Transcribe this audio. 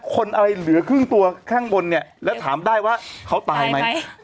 คนอะไรเหลือครึ่งตัวข้างบนเนี่ยแล้วถามได้ว่าเขาตายไหม